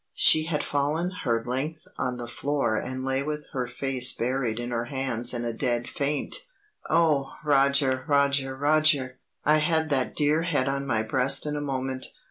She had fallen her length on the floor and lay with her face buried in her hands in a dead faint. Oh, Roger, Roger, Roger! I had that dear head on my breast in a moment.